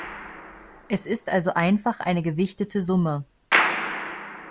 Es ist also einfach eine gewichtete Summe.